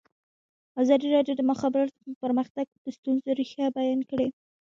ازادي راډیو د د مخابراتو پرمختګ د ستونزو رېښه بیان کړې.